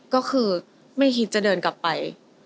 ก็คือไม่คิดจะเดินกลับไป